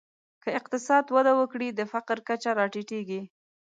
که اقتصاد وده وکړي، د فقر کچه راټیټېږي.